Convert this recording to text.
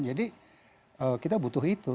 jadi kita butuh itu